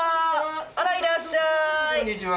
あらいらっしゃい。